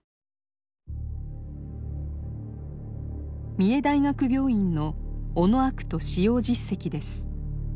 三重大学病院の「オノアクト」使用実績です。